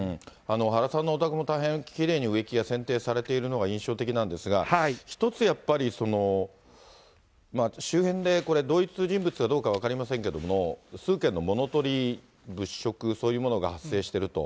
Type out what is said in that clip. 原さんのお宅も大変きれいに植木がせん定されているのが印象的なんですが、一つやっぱり、周辺でこれ、同一人物かどうか分かりませんけれども、数軒の物とり、物色、そういうものが発生してると。